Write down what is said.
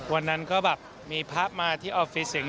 วันนั้นก็มีพระมาที่ออฟฟิศ